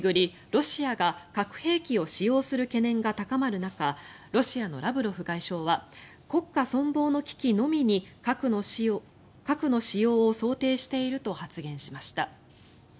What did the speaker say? ロシアが核兵器を使用する懸念が高まる中ロシアのラブロフ外相は国家存亡の危機のみに核の使用を想定していると発言しました。